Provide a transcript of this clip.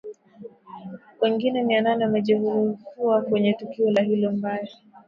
wengine mia nne wamejeruhiwa kwenye tukia hilo mbaya